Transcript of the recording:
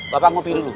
bapak ngopi dulu